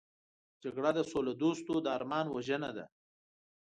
جګړه د سولهدوستو د ارمان وژنه ده